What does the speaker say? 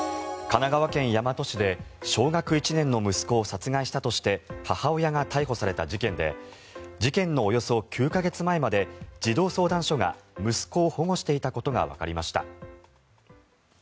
神奈川県大和市で小学１年の息子を殺害したとして母親が逮捕された事件で事件のおよそ９か月前まで児童相談所が息子を保護していたことがわかりました。